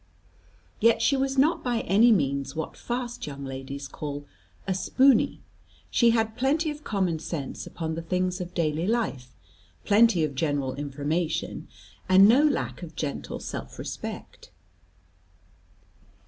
Yet she was not by any means what fast young ladies call a "spooney;" she had plenty of common sense upon the things of daily life, plenty of general information, and no lack of gentle self respect.